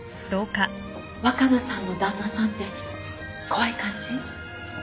若菜さんの旦那さんって怖い感じ？